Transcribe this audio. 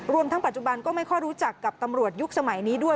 รวมทั้งปัจจุบันก็ไม่ค่อยรู้จักกับตำรวจยุคสมัยนี้ด้วย